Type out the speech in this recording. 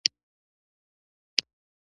خوړل د مور له لاسه بې مثاله دي